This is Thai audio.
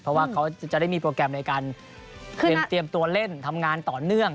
เพราะว่าเขาจะได้มีโปรแกรมในการเตรียมตัวเล่นทำงานต่อเนื่อง